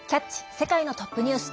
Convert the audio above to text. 世界のトップニュース」。